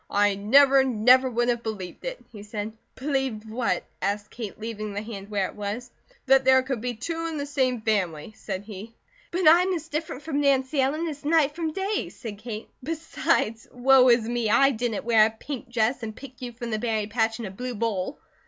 "I never, never would have believed it," he said. "Believed what?" asked Kate, leaving the hand where it was. "That there could be two in the same family," said he. "But I'm as different from Nancy Ellen as night from day," said Kate, "besides, woe is me, I didn't wear a pink dress and pick you from the berry patch in a blue bowl."